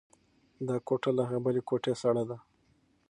دا کوټه له هغې بلې کوټې سړه ده.